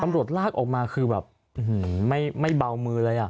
ตำรวจลากออกมาคือแบบไม่เบามือเลย